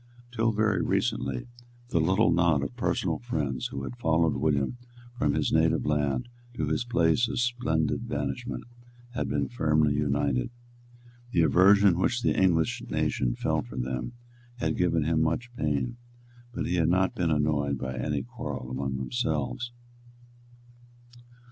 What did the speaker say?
Till very recently, the little knot of personal friends who had followed William from his native land to his place of splendid banishment had been firmly united. The aversion which the English nation felt for them had given him much pain; but he had not been annoyed by any quarrel among themselves.